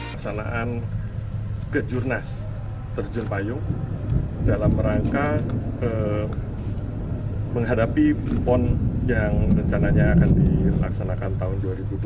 pelaksanaan kejurnas terjun payung dalam rangka menghadapi pon yang rencananya akan dilaksanakan tahun dua ribu dua puluh